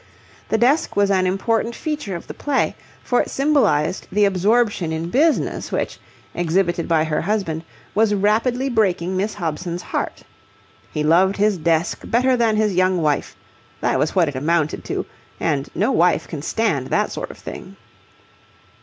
The desk was an important feature of the play, for it symbolized the absorption in business which, exhibited by her husband, was rapidly breaking Miss Hobson's heart. He loved his desk better than his young wife, that was what it amounted to, and no wife can stand that sort of thing.